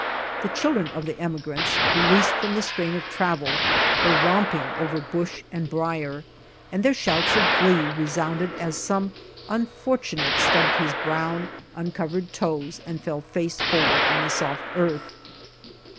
The children of the emigrants, released from the strain of travel, were romping over bush and briar, and their sh'outs of glee resounded as some unfortu nate stubbed his browm, uncovered toes and fell face forward on the soft earth.